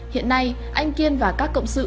hiện nay anh kiên và các cộng sự